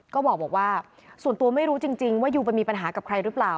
ก็บอกว่าส่วนตัวไม่รู้จริงว่ายูไปมีปัญหากับใครหรือเปล่า